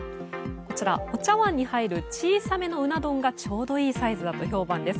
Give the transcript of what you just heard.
こちら、お茶碗に入る小さめのうな丼がちょうどいいサイズだと評判です。